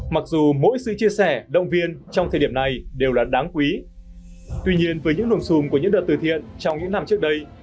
mặc dù mỗi sự chia sẻ động viên trong thời điểm này đều là đáng quý tuy nhiên với những nồm xùm của những đợt từ thiện trong những năm trước đây